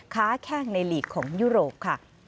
ค้าแข้งในลีกของยุโรปค่ะ